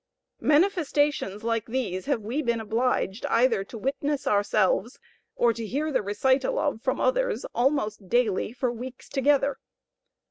Manifestations like these have we been obliged either to witness ourselves, or hear the recital of from others, almost daily, for weeks together.